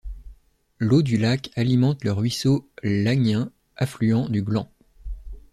L'eau du lac alimente le ruisseau l'Agnin affluent du Gland.